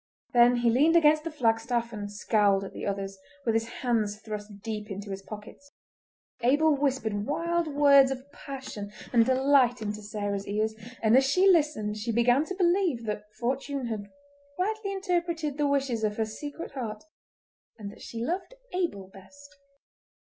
Then he leaned against the flagstaff and scowled at the others with his hands thrust deep into his pockets. Abel whispered wild words of passion and delight into Sarah's ears, and as she listened she began to believe that fortune had rightly interpreted the wishes of her secret heart, and that she loved Abel best.